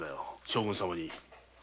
将軍様に。